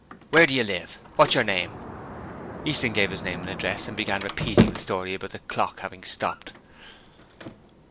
Where do you live? What's your name?' Easton gave his name and address and began repeating the story about the clock having stopped.